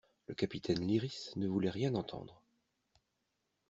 Le capitaine Lyrisse ne voulait rien entendre.